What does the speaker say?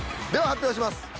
では発表します。